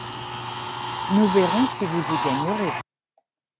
Nous verrons si vous y gagnerez…